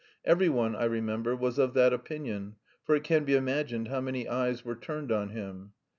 Every one, I remember, was of that opinion, for it can be imagined how many eyes were turned on him.